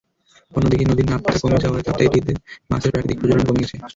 অন্যদিকে, নদীর নাব্যতা কমে যাওয়ায় কাপ্তাই হ্রদে মাছের প্রাকৃতিক প্রজনন কমে গেছে।